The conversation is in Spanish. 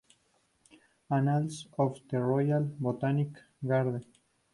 Annals of the Royal Botanic Garden.